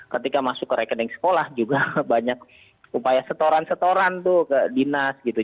ketika masuk ke rekening sekolah juga banyak upaya setoran setoran tuh ke dinas gitu